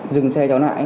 dừng xe chó nãy